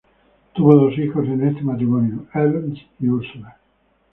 Tuvo dos hijos en este matrimonio, Ernst y Ursula.